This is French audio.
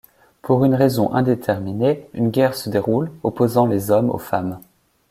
Pour une raison indéterminée, une guerre se déroule, opposant les hommes aux femmes.